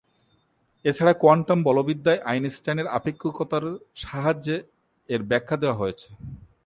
এছাড়া কোয়ান্টাম বলবিদ্যায় আইনস্টাইনের আপেক্ষিকতার সাহায্যে এর ব্যাখ্যা দেয়া হয়েছে।